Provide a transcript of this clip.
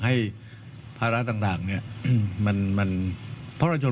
ให้ภาระต่างต่างเนี้ยมันมันพระวัตรชน